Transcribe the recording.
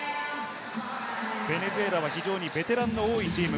ベネズエラは非常にベテランが多いチーム。